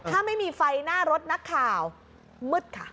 ถ้าไม่มีไฟหน้ารถนักข่าวมืดค่ะ